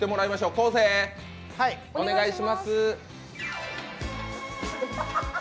昴生、お願いします。